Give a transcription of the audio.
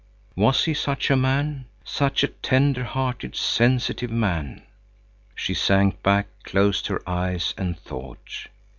Was he such a man? Such a tender hearted, sensitive man! She sank back, closed her eyes and thought.